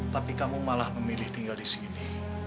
tapi kamu malah memilih tinggal di sini